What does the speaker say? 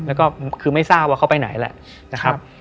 แล้วก็คือไม่ทราบว่าเขาไปไหนแหละนะครับ